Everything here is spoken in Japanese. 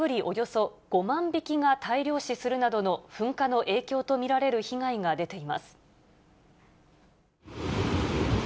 およそ５万匹が大量死するなどの噴火の影響と見られる被害が出ています。